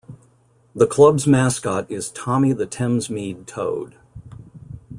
The clubs mascot is Tommy The Thamesmead Toad.